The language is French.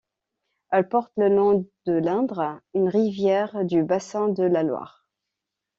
Elle porte le nom de l'Indre, une rivière du bassin de la Loire.